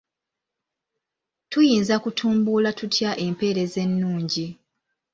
Tuyinza kutumbula tutya empeereza ennungi?